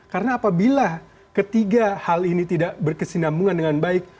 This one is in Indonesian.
karena apabila ketiga hal ini tidak berkesinambungan dengan baik